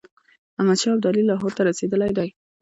احمدشاه ابدالي لاهور ته رسېدلی دی.